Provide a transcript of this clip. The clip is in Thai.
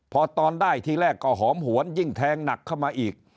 พอตอนได้ทีแรกก็หอมหวนยิ่งแทงหนักเข้ามาอีก